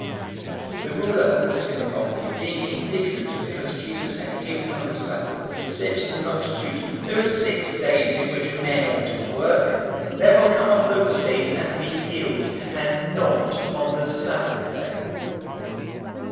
013:014 The ruler of the synagogue, being indignant because Jesus had healed on the Sabbath, said to the multitude, "There are six days in which men ought to work. Therefore come on those days and be healed, and not on the Sabbath day!"